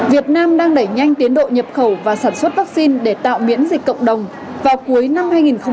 việt nam đang đẩy nhanh tiến độ nhập khẩu và sản xuất vaccine để tạo miễn dịch cộng đồng vào cuối năm hai nghìn hai mươi